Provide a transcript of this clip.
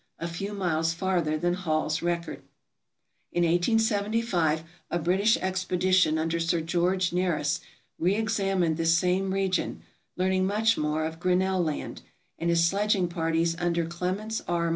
a few miles farther than Hall's record. In 1875 a British expedition under Sir George Nares reexam ined this same region, learning much more of Grinnell Land; and his sledging parties under Clements R.